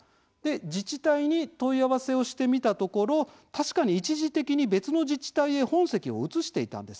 自治体に問い合わせをしてみたところ確かに一時的に別の自治体へ本籍を移していたんです。